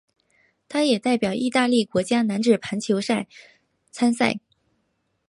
他也代表意大利国家男子排球队参赛。